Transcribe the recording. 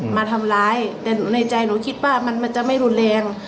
มาทำร้ายแต่ในใจหนูคิดว่ามันจะไม่รุนแรง